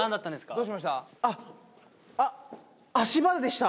どうしました？